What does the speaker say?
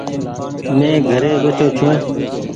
مين گهري ٻيٺو ڇو۔